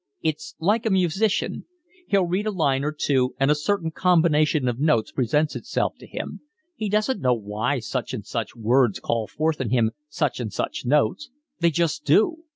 It's like a musician; he'll read a line or two, and a certain combination of notes presents itself to him: he doesn't know why such and such words call forth in him such and such notes; they just do.